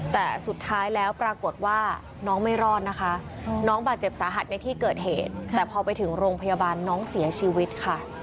แต่สุดท้ายแล้วปรากฏว่าน้องไม่รอดนะคะน้องบาดเจ็บสาหัสในที่เกิดเหตุแต่พอไปถึงโรงพยาบาลน้องเสียชีวิตค่ะ